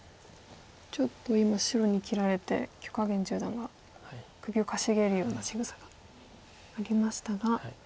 ちょっと今白に切られて許家元十段は首をかしげるようなしぐさがありましたが。